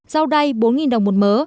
rau đay bốn đồng một mớ